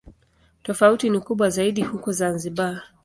Tofauti ni kubwa zaidi huko Zanzibar.